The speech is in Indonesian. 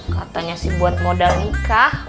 katanya sih buat modal nikah